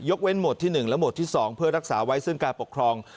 ยกเว้นหมดที่หนึ่งและหมดที่สองเพื่อรักษาไว้ซึ่งการปกครอง